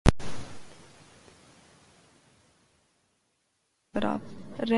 سابق pole dancer کا برطانوی وزیراعظم سے قریبی تعلق کا اعتراف